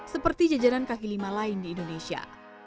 seperti jajanan kaki lima lain di indonesia